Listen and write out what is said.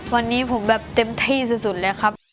วันนี้ผมแบบเต็มที่สุดเลยครับ